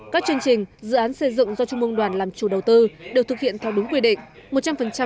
các chương trình dự án xây dựng do trung mương đoàn làm chủ đầu tư đều thực hiện theo đúng quy định